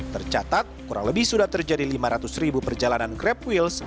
tercatat kurang lebih sudah terjadi lima ratus ribu perjalanan grab wheels